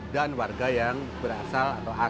dan warga yang berasal atau asli dari yogyakarta